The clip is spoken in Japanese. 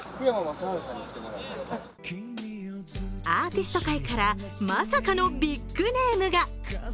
アーティスト界からまさかのビッグネームが。